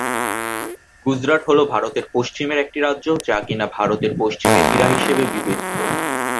গুজরাট হলো ভারতের পশ্চিমের একটি রাজ্য যা কিনা ভারতের পশ্চিমের হীরা হিসাবে বিবেচিত।